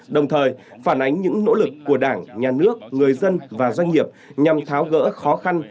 đồng thời phản ánh những nỗ lực của đảng nhà nước người dân và doanh nghiệp nhằm tháo gỡ khó khăn